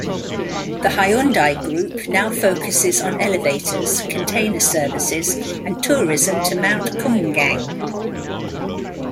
The Hyundai Group now focuses on elevators, container services, and tourism to Mount Kumgang.